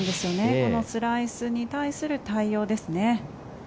このスライスに対する対応ですね。